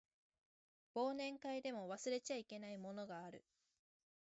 忘年会でも忘れちゃいけないものがある